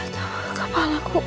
tapi jangan lupa